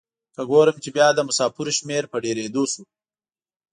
که ګورم چې بیا د مسافرو شمیر په ډیریدو شو.